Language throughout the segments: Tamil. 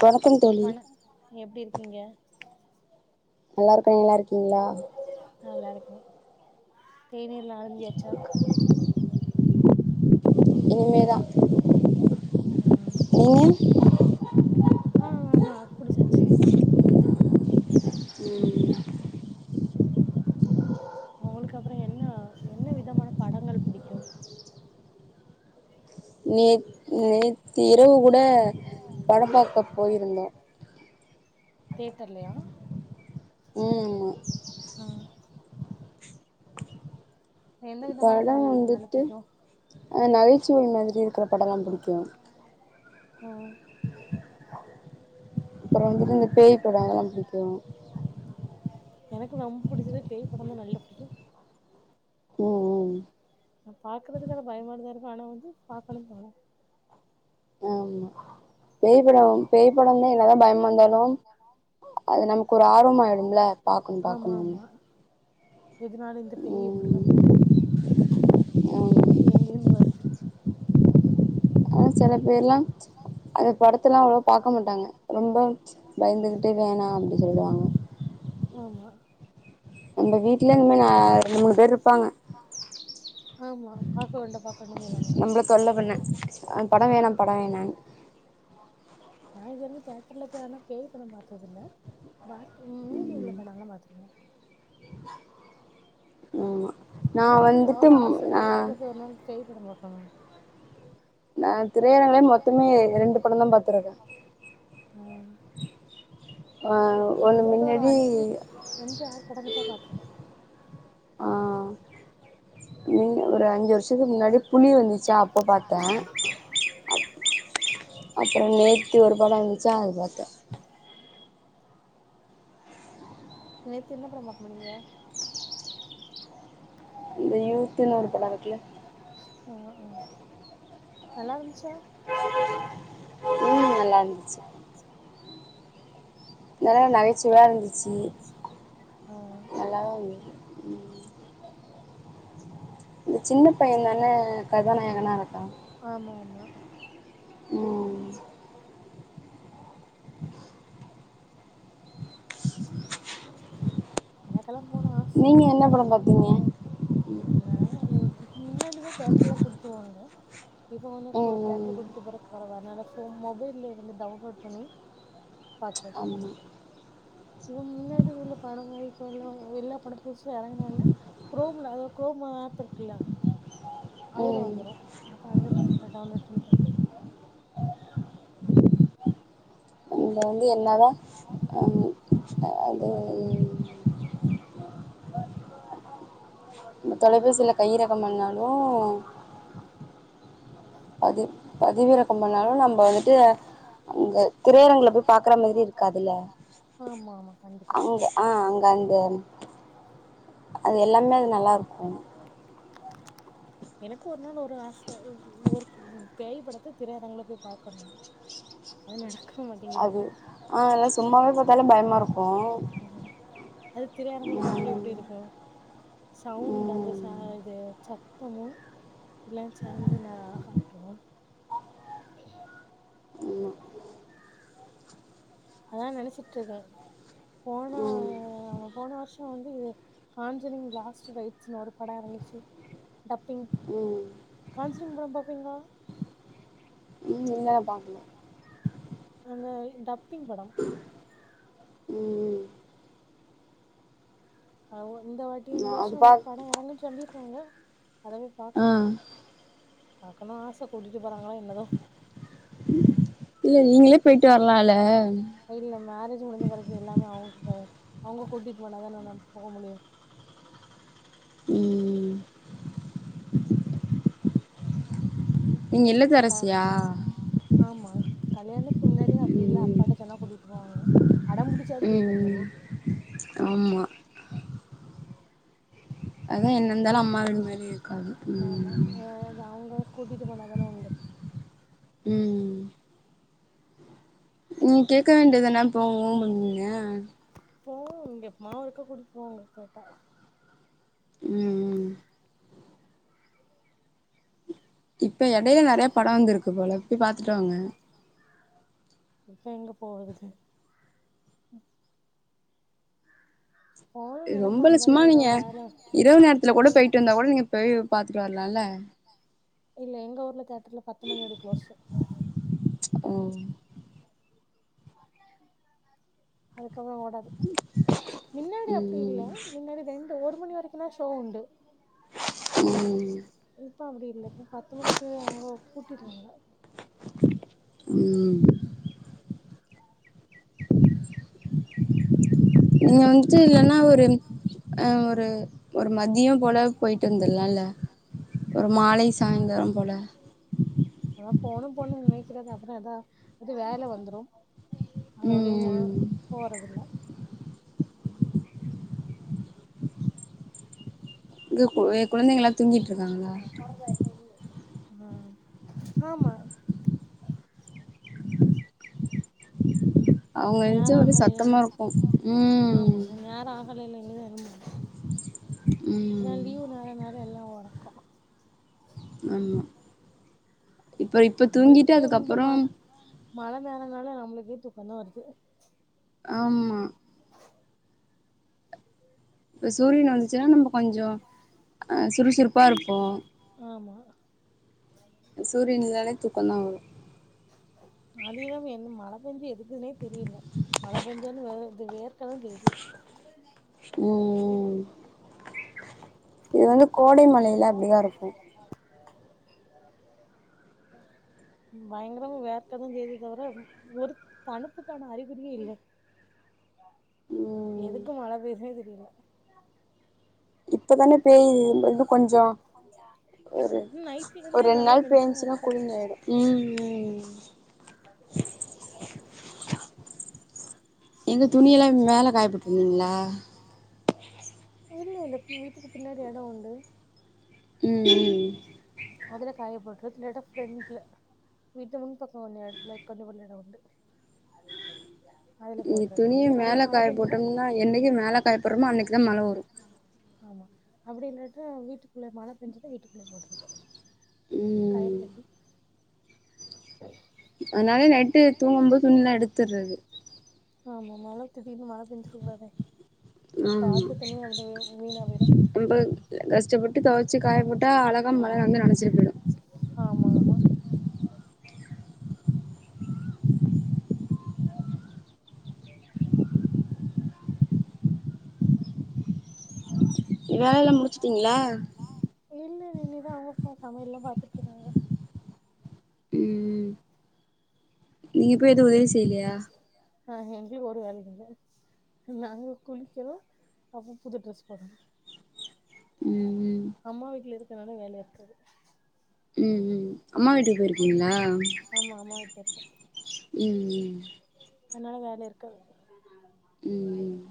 வணக்கம் தோழி வணக் எப்டி இருக்கீங்க நல்லா இருக்க நல்லா இருக்கீங்ளா நல்லா இருக்கே தேநீர்ல்லா அருந்தியாச்சா இனிமேதா ம் நீங்க ஆ ஆமா குடிச்சாச்சு ம் ம் உங்களுக்கு அப்புறோ என்ன என்ன விதமான படங்கள் புடிக்கு நே நேத்து இரவு கூட படம் பாக்க போயிருந்தோ தேட்டர்லயா ம் அ எந்த விதமான படம் படங்கள் நல்லா வந்துட்டு பிடிக்கு அ நகைச்சுவை மாதிரி இருக்கற படோல்லா பிடிக்கு அ அப்புறோ வந்துட்டு இந்த பேய் படோ அதெல்லா பிடிக்கு எனக்கு ரொம்ப புடிச்சதே பேய் படோ தா நல்ல புடிக்கு ம் ம் ஆனா பாக்கறதுக்கு ஆனா‌ பயமதா இருக்கு ஆனா வந்து பாக்கணுன் தோனு ஆமா பேய் படம் பேய் படம்தா என்னதா பயமா இந்தாலும் அது நமக்கு ஒரு ஆர்வம் ஆயிடும்ல பாக்கணு ஆமா பாக்கணு ஆமா எதுனால இந்த இந்த பேய் எப்டி வந்தது ஆமா எங்கந்து வருது அ செல பேர்லாம் அந்த படத்த எல்லா அவ்ள பாக்க மாட்டாங்க ரொம்ப பயந்துகிட்டே வேணாம் அப்டி சொல்லுவாங்க ஆமா அந்த வீட் ஆமா பாக்க வேண்ட நம்மள தொல்ல பண்ண படம் வேணா படம் வேணாம்னு நா இது வரைக்கும் தேட்டர்ல போய் ஆனா பேய் படம் பத்தது இல்ல பாக்கி உ மீதி உள்ள படம் எல்லாம் பாத்துருக்க ஆமா நா ஆனாலு வந்து வந்துட்டு ஒரு ஆச நா தியட்டர்ல போய் ஒரு நாள் பேய் பட பாக்கணு நா திரையரங்குல மொத்தமே ரண்டு பட தா பாத்துருக்க அ ஆ நா ஒன்னு கிட்டத்தட்ட ஒரு மின்னாடி அஞ்சு அஞ்சு ஆறு பட கிட்ட பாத்துருக்கே ஆ ஒரு அஞ்சு வருஷத்துக்கு முன்னாடி புலி வந்துச்சா அப்ப பாத்த அப்றம் நேத்தி ஒரு படம் வந்துச்சா அது பாத்த நேத்து என்ன படம் பாகம நீங்க இந்த யூத்ன்னு ஒரு படம் இருக்குல ஆ ஆ நல்லா இருந்துச்ச ம் நல்லா இருந்ச்சு நல்ல நகைச்சுவையா இருந்ச்சு ஆ நல்ல தா இருந் இந்த சின்ன பையன தானே கதாநாயகனா இருக்கா ஆமாமா ம் எனகல்லாம் போனு ஆச நீங்கள் என்ன கட்டுல படம் பார்த்தீங்க ஆ மின்னாடி தா தியட்டர்லாம் கூட்டிட்டு போவாங்க இப்ப வந்து ஒரு கு ம் தியேட்டர் ம் கூட்டிட்டு போற கொறவு அனால சே மொபைல்ல வந்து டவுன்லோட் பண்ணி பாக்கறது ஆமாம் இவுங் எங்க ஊர்ல பணம் வாங்கி இப்ப எல்லா படம் புதுசும் இறங்கணுனே குரோம்ல அதா குரோம் ஆப் இருக்குல்ல அதுல ம் வந்துடும் அப்ப அதுலயே பாத்துப்ப டவுன்லோட் பண்ணி பாத்துட்டு அதுல வந்து என்ன தான் ம் அது தொலை பேசியில கை ரகம் பண்ணாலும் பதி அது பதிவிறக்கம் அது வேற பண்ணாலும் பண்றாங்க நம்ம வந்துட்டு அங்கே இந்த திரையரங்கில் போய் பார்க்குற திரையரங்கல போயி மாதிரி இருக்காதுல்ல பாக்க ஆமா ஆமா கண்டிப்பா அங்கே ஆ அதுல எல்லாமே அது எல்லாமே நல்லாருக்கு எனக்கு ஒரு நாள் ஒரு ஆச ஒரு பேயி படத்த திரையரங்குல போய் பாக்கணுனு அது நடக்க அது மாட்டேங்குறது ஆ எல்லா சும்மாவே பாத்தாலே பயமா இருக்கு அது திரையரங்குல ம் பாக்கும்போது எப்டி இருக்கு சவுண்ட் அந்த ச ம் இது சா சுத்தமும் எல்லாம் சேர்ந்து நல்ல அழகு காட்டுவோம் ஆமா அதா நெனைச்சிட்டுருக்கே போன ம் போன வருஷோ வந்து இது காஞ்சுரிங் லாஸ்ட் ரைட்ஸ்னு ஒரு படோ எறங்குச்சு டப்பிங் ம் ம் காஞ்சுரிங் படோ பாப்பிங்களா இல்ல பாக் அந்த டப்பிங் படோ ம் அ இந்த வாட்டி நா இந்த அது வருஷோ ஒரு பாக் படோ எறங்குன்னு சொல்லிருக்காங்க அதவே ஆ பாக்கணு பாக்கணு ஆச கூட்டிட்டு போறாங்களா என்னதா இல்ல நீங்களே போயிட்டு வர்லால இல்ல மேரேஜ் முடிஞ்ச பெறகு எல்லாமே அவுங்க கை அவுங்க கூட்டிட்டு போன தான நம் போக முடியு ம் நீங்க க இல்லத்தரசியா ஆமா கல்யாணத்துக்கு முன்னாடினா அப்புடி இல்ல ம் அப்பாட்ட சொன்னா கூட்டிட்டு போவாங்க அடம் புடிச்சாவ்து போயிட்டு ம் வந்துருவோ ஆமா அதா என்ன இருந்தாலு இது அம்மா வீடு மாரி இருக்காது ஆமா ம் ஆ இது அவங்க கூட்டிட்டு போனா தானே உண்டு ம் நீங் கேக்க வேண்டியது தானே போவோ அப்டின்னு போவோ இங்க எப்பமா ஒருக்க கூட்டிட்டு போவாங்க கேட்டா ம் ம் இப்ப எடைல நெறைய படோ வந்துருக்கு போல போய் பாத்துட்டுவாங்க இப்போ எங்க போகறது போனு நெனைப்ப ரொம்பல வந்தர்லா சும்மா நீங்க எதாது வேல இரவு நேரத்துல கூட ம் போயிட்டு வந்தா கூட நீங்க போய் பாத்துட்டு வரலால்ல இல்ல எங்க ஊர்ல தியேட்டர்ல பத்து மணியோட குளோஸ்சு ஓ அதுக்கப்ற ஓடாது மின்னாடி அப்டி இல்ல ம் மின்னாடி ரெண்டு ஒரு மணி வரைக்குலா ஷோ உண்டு ம் இப்போ அப்டி இல்ல இப்ப பத்து மணிக்கே அவ்ங்க பூட்டிடுவாங்க ம் நீங்க வந்துட்டு இல்லன்னா ஒரு அ ஒரு ஒரு மதியம் போல போய்ட்டு வந்துர்லால ஒரு மாலை சாய்ந்தரம் போல அதா போனு போனுன் நெனைக்கறதா அப்பறோ ஏதாவ் எது வேல வந்துரு அதோடியுங்க ம் போறதுல்ல இங்க கு குழந்தைங்கல்லா தூங்கிட்டு இருக்காங்களா ம் ஆமா அவங்க நேரோ எந்துச்சு ஒரே ஆகலியே சத்தமா இருக்கு ஆமா ம் நேரோ ஆ கலைலே [inaudible] ஏன் ம் லீவு நேரோனால எல்லா ஒறக்கோ ஆமா இப்ப இப்ப தூங்கிட்டு நம்மளுக்கே இந்த ம அதுக்கப்பறம் மழ நேரோனால நம்ளுக்கே தூக்கந்தா வருது ஆமா இப்போ சூரியன் வந்ச்சுன்னா நம்ப கொஞ்சோ அ சுறுசுறுப்பா இருப்போ ஆமா சூரியன் இல்லனாலே தூக்கந்தா வரு அது என்னமோ எங்க மழ பேஞ்சா எதுக்குதுனே தெரியல மழ பெஞ்சாலு வே இது வேர்க்க தா செய்து ம் ம் இது வந்து கோடை மழைல அப்டிதா இருக்கு ம் பயங்கரமா வேர்க்கதா செய்து தவிர ஒரு தணுப்புக்கான அறிகுறியே இல்ல ம் எதுக்கு மழ பேய்துனே தெரில இப்பதான பேயுது இது கொஞ்சோ ஒரு ம் நைட்லருந்து நல்ல பெஞ்சுட்தா இருக்கு ம்ம் [unintelligible] [unintelligible] எங்க துணியெல்லா மேல காய போட்ருந்திங்களா இல்ல இல்ல வீட்டுக்கு பின்னாடி எடம் உண்டு ம் ம் அதுல காயப்போட்றது இல்லனா ஃப்ரன்ட்ல வீட்ல முன் பக்க உள்ள இடத்துல [unintelligible] கொன்ன எடோ உண்டு அதுல இங்க போட்றததா துணிய அப்டிய நல்லா மேல மழ காய பெஞ்சுதா போட்டோம்னா என்னைக்கு மேல காய போட்றோமோ அன்னைக்குதா மழ வரு ஆமா அப்டி இல்லாட்டா வீட்டுக்குள்ள மழ பெஞ்சுதுனா வீட்டுக்குள்ள போட்ரு ஒரு கயிறு ம் கட்டி அதனால நைட்டு தூங்கு போ துணிலா எடுத்துர்றது ஆமா மழ திடீர்னு மழ பெஞ்சிருதானே ம் போயிரு நம்ப கஷ்டப்பட்டு தொவை ச்சு காய போட்டா அழகா மழ வந்து நனச்சிட்டு போய்டோ ஆமாமா வேலல்லா முடிச்சுட்டீங்ளா இல்ல இல்ல இனி தா அவங்கப்பா சமயல்லா பாத்துட்ருக்காங்க ம் நீங்க போய் எது உதவி செய்லியா ஆ எங்ளுக் ஒரு வேலயு இல்ல நாங்க குளிக்கிறோ அப்றோ புது ட்ரெஸ் போட்றோ ம் ம் அம்மா வீட்டல இருக்கனால வேல இருக்காது ம் ம் அம்மா வீட்டு ஆமா அம்மா வீட்ல இருக்க ம் அதனால வேல இருக்காது ம் ம் ம்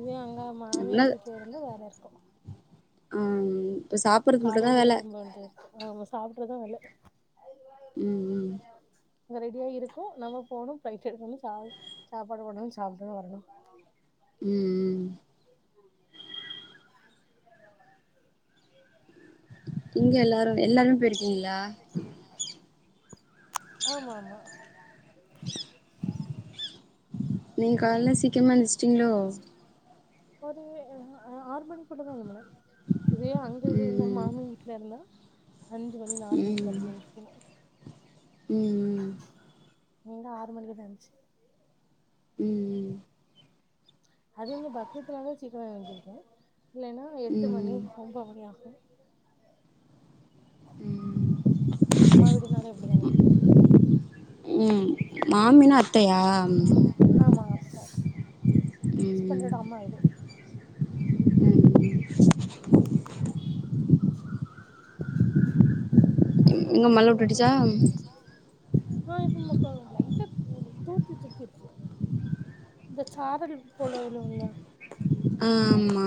இதே அங்க அப்டின்னா மாமியார் வீட்ல இருந்தா வேல இருக்கும் ம் காலையிலயே எலம்பவேன்டுருக்கும் ஆமா சாப்ட்றதா வேல ம் ம் இங்க ரெடியாருக்கும் நம்ம போனும் ப்ளேட் எடுக்கணும் சா சாப்பாடு போடணும் சாப்பிட்டோன்ன வரணும் ம் ம் இங்க எல்லாரும் எல்லாருமே போயிருக்கீங்களா ஆமாமா நீங்க காலைல சீக்கிரமா எந்துருச்சுட்டீங்களோ ஒரு ஆறு மணி கூட தா எழும்பனே இதே அங்கு வீடுனா ம் மாமி வீ வீட்ல இருந்தா அஞ்சு மணி நாலு மணிக்கு ம் அப்படி எந்திரிக்கணும் ம் ம் இங்க ஆறு மணிக்குதா எந்துச்சு ம் ம் அது என்ன பக்ரீத்துனாலதா சீக்கிரம் எழுந்திரிக்கும் இல்லன்னா எட்டு மணி ம் ஒன்பது மணி ஆகும் ம் ம் ம் அம்மா வீடுனாலே அப்டிதானெ ம் மாமினா அத்தையா ஆமா அத்த அஸ்பெண்டோட அம்மா வீடு ம் [unintelligible] எங்க மழ விட்டுடுச்சா [unintelligible] லைட்டா ஒரு தூத்தி தூத்திருக்கு இந்த சாரல் போல உள்ளல்ல ஆமா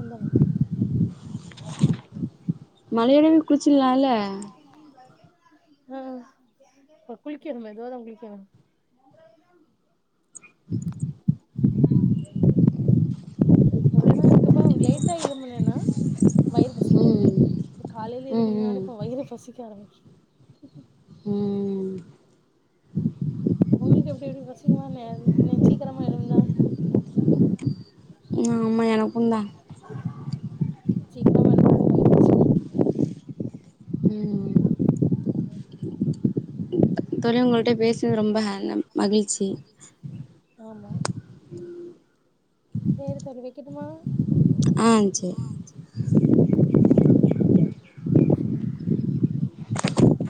அந்த மாரி மழையுடன் குளிச்சிட்லால அ இப்ப குளிக்கனு மெதுவாதா குளிக்கணு [unintelligible] ஆ எப்டினா இருக்கப்ப லைட்டா இரும்புனேனா வயிறு ம் பசிக்காது இப்ப காலையில ம் ம் எழும்பிண்னாலு இப்ப வயிறு பசிக்க ஆரம்பிக்கு ம் உங்களுக்கு எப்டி இப்டி பசிக்குமா என்ன சீக்கிரமா எழுந்தா ஆமா எனக்குந்தா சீக்கிரமா எழும்புனாலே வயிறு பசிக்கு ம் [unintelligible] தோழி உங்கள்ட்ட பேசுனது ரொம்ப ஹ ந மகிழ்ச்சி ஆமா சேரி தோழி வெக்கட்டுமா ஆ சேரி